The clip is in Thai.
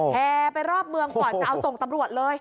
แห่ไปรอบเมืองก่อนจะเอาส่งตำรวจเลย